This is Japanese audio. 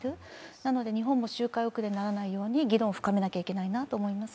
なので日本も周回遅れにならないように議論を深めなければならないと思います。